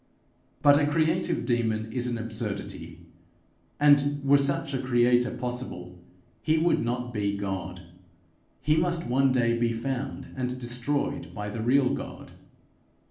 But a creative demon is an absurdity; and were such a creator possible, he would not be God, but must one day be found and destroyed by the real God.